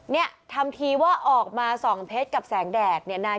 เนี่ยทำทีว่าออกมาส่องเพชรกับแสงแดดเนี่ย